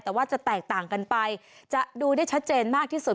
แต่ว่าจะแตกต่างกันไปจะดูได้ชัดเจนมากที่สุด